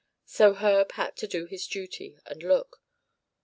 So Herb had to do his duty, and look.